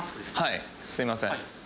はいすいません。